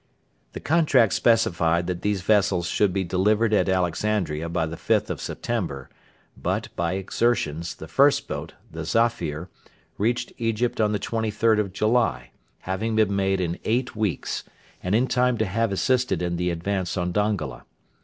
The contract specified that these vessels should be delivered at Alexandria by the 5th of September, but, by exertions, the first boat, the Zafir, reached Egypt on the 23rd of July, having been made in eight weeks, and in time to have assisted in the advance on Dongola.